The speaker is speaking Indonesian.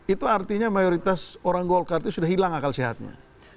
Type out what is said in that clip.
itu artinya mayoritas orang golkar itu sudah hilang akal sehatnya